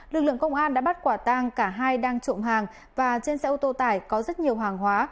lực lượng công an đã bắt quả tang cả hai đang trộm hàng và trên xe ô tô tải có rất nhiều hàng hóa